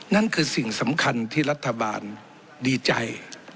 นั่นคือสิ่งสำคัญที่รัฐบาลดีใจ